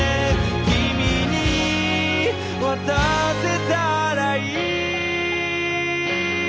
「君に渡せたらいい」